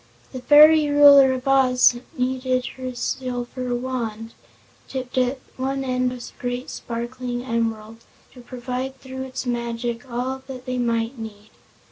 The fairy Ruler of Oz only needed her silver wand tipped at one end with a great sparkling emerald to provide through its magic all that they might need.